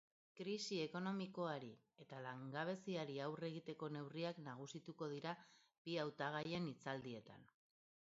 Krisi ekonomikoari eta langabeziari aurre egiteko neurriak nagusituko dira bi hautagaien hitzaldietan.